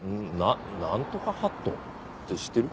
なんとかハットって知ってる？